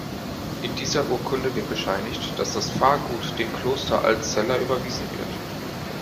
In dieser Urkunde wird bescheinigt, dass das Pfarrgut dem Kloster Altzella überwiesen wird.